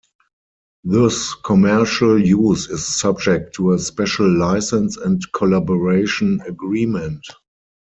Thus, commercial use is subject to a special license and collaboration agreement.